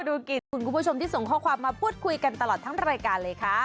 กิจคุณผู้ชมที่ส่งข้อความมาพูดคุยกันตลอดทั้งรายการเลยค่ะ